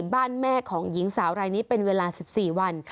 บ้านแม่ของหญิงสาวรายนี้เป็นเวลา๑๔วัน